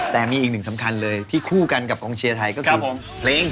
แต่มีอีกหนึ่งสำคัญเลยที่คู่กันกับกองเชียร์ไทยก็คือเพลง